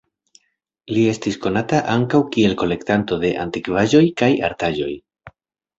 Li estis konata ankaŭ kiel kolektanto de antikvaĵoj kaj artaĵoj.